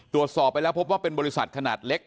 ตรวจสอบไปแล้วพบว่าเป็นบริษัทขนาดเล็ก